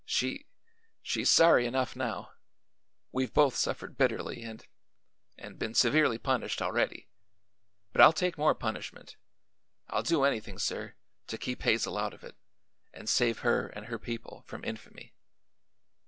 She she's sorry enough now. We've both suffered bitterly and and been severely punished already. But I'll take more punishment; I'll do anything, sir, to keep Hazel out of it and save her and her people from infamy."